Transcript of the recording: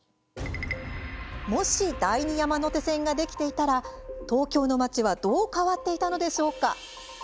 もし、第二山手線ができていたら東京の街はどう変わっていたのでしょうか？